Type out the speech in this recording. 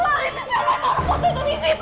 pap itu suaranya elsa jess mau liat elsa kenapa